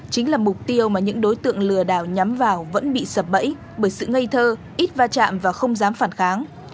chính là mục tiêu mà những đối tượng lừa đảo nhắm vào vẫn bị sập bẫy bởi sự ngây thơ ít va chạm và không dám phản kháng